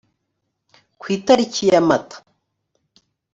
ku itariki ya mata